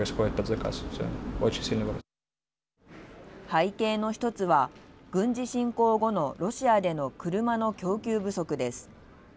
背景の１つは軍事侵攻後のロシアでの車の供給不足です。